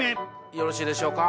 よろしいでしょうか？